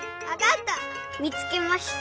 みつけました。